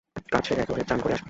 কাজ সেরে একেবারে চান করে আসবি।